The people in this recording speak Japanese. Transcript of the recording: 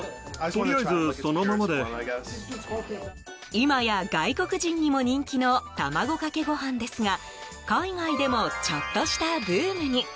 今や外国人にも人気の卵かけご飯ですが海外でもちょっとしたブームに。